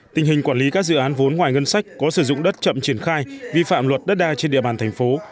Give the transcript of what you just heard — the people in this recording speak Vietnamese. tình hình quản lý các dự án vốn ngoài ngân sách có sử dụng đất chậm triển khai vi phạm luật đất đai trên địa bàn thành phố